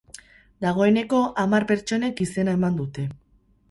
Dagoeneko hamar pertsonek izena eman dute